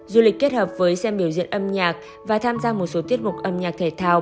du lịch kết hợp với xem biểu diễn âm nhạc và tham gia một số tiết mục âm nhạc thể thao